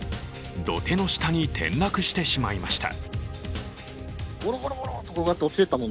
土手の下に転落してしまいました。